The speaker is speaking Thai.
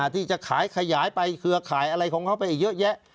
ที่จะขายขยายไปเครือข่ายอะไรของเขาไปเยอะแยะ